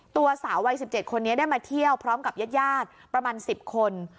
ตัวสาววัย๑๗คนนี้ได้มาเที่ยวพร้อมกับญาติประมาณ๑๐คน